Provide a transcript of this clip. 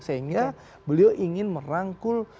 sehingga beliau ingin merangkul